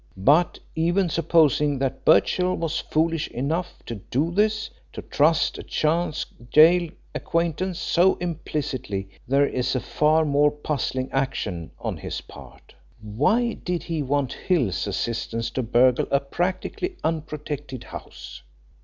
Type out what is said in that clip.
But even supposing that Birchill was foolish enough to do this to trust a chance gaol acquaintance so implicitly there is a far more puzzling action on his part. Why did he want Hill's assistance to burgle a practically unprotected house?